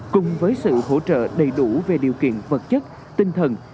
cùng với sự hỗ trợ đầy đủ về điều kiện vật chất tinh thần